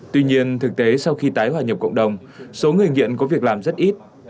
tuy nhiên thực tế sau khi tái hòa nhập cộng đồng số người nghiện có việc làm rất ít